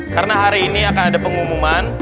karena hari ini akan ada pengumuman